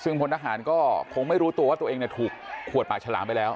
ซึ่งพลทหารก็คงไม่รู้ตัวว่าตัวเองถูกขวดปากฉลามไปแล้ว